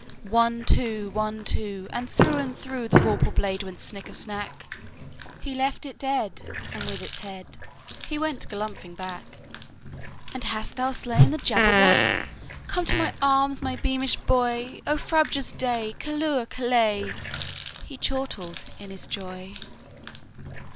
One, two! One, two! And through and throughThe vorpal blade went snicker snack! He left it dead, and with its headHe went galumphing back."And hast thou slain the Jabberwock? Come to my arms, my beamish boy!O frabjous day! Callooh! Callay!"He chortled in his joy.